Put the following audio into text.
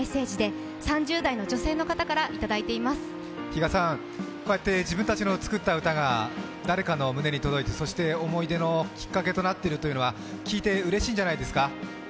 比嘉さん、こうやって自分たちが作った歌が誰かの胸に届いて、思い出のきっかけとなっているというのは聞いてうれしいんじゃないですか？